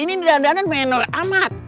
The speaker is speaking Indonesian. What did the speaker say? ini di dandan dandan menor amat